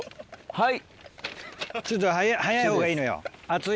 はい！